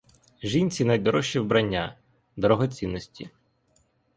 Жінці найдорожчі вбрання, дорогоцінності.